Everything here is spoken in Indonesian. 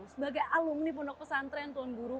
sebagai alumni pondok pesantren